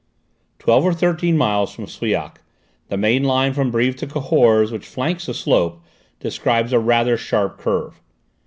Twelve or thirteen miles from Souillac the main line from Brives to Cahors, which flanks the slope, describes a rather sharp curve.